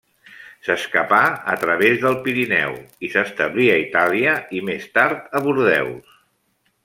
S'escapà a través del Pirineu i s'establí a Itàlia i més tard a Bordeus.